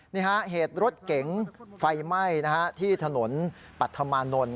นี่ฮะเหตุรถเก๋งไฟไหม้ที่ถนนปัธมานนท์